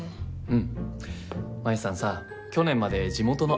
うん。